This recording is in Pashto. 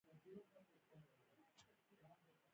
د کامدیش ولسوالۍ ځنګلونه لري